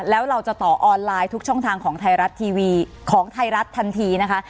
แล้วเราจะต่อออนไลน์ทุกช่องทางของไทยรัฐทันทีนะคะ